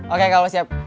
oke kalau siap